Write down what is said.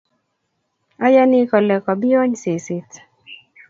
Ayani kole kobiony seset